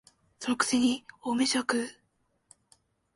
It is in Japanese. その癖に大飯を食う